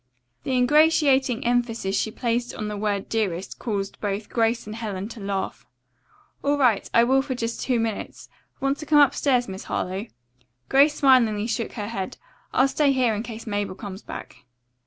The ingratiating emphasis she placed on the word "dearest" caused both Grace and Helen to laugh. "All right, I will for just two minutes. Want to come upstairs, Miss Harlowe?" Grace smilingly shook her head. "I'll stay here in case Mabel comes back."